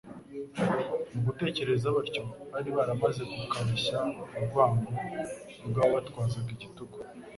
Mu gutekereza batyo, bari baramaze gukarishya urwango rw'ababatwazaga igitugu.